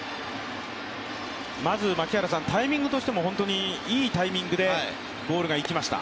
まず、タイミングとしても本当にいいタイミングでボールがいきました。